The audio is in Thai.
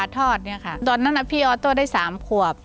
ตอนนั้นพี่อ๊อตโตได้๓ขวบ